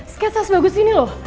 sketch as bagus ini loh